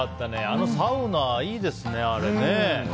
あのサウナ、いいですね。